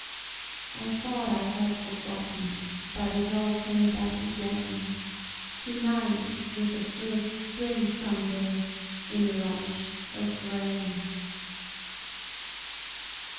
... I thought I had forgotten, But it all came back again To night with the first spring thunder In a rush of rain.